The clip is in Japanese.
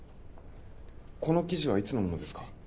この記事はいつのものですか？